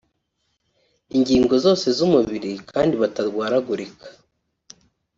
ingingo zose z’umubiri kandi batarwaragurika